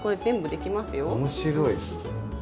面白い。